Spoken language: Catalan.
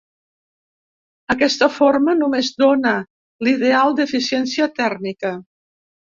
Aquesta forma només dóna l'ideal d'eficiència tèrmica.